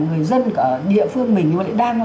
người dân ở địa phương mình mà lại đang